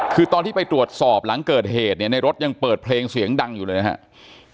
คือตอนที่ไปตรวจสอบหลังเกิดเหตุเนี่ยในรถยังเปิดเพลงเสียงดังอยู่เลยนะครับ